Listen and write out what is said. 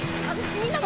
みんなも！